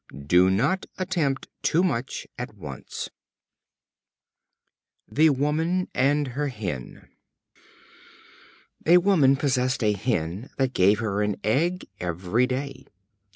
Do not attempt too much at once. The Woman and her Hen. A Woman possessed a Hen that gave her an egg every day.